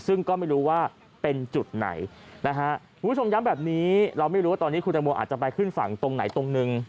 ซึ่งก็ไม่รู้ว่าเป็นจุดไหนนะฮะคุณผู้ชมย้ำแบบนี้เราไม่รู้ว่าตอนนี้คุณตังโมอาจจะไปขึ้นฝั่งตรงไหนตรงนึง